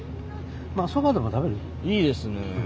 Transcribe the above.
まあそばでも食べる？いいですね。